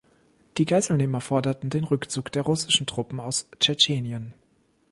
Die Geiselnehmer forderten den Rückzug der russischen Truppen aus Tschetschenien.